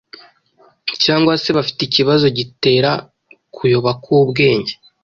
cyangwa se bafite ikibazo gitera kuyoba k’ubwenge.